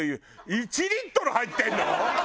１リットル入ってるの！？